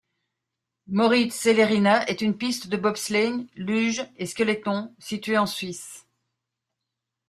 Moritz-Celerina est une piste de bobsleigh, luge et skeleton située en Suisse.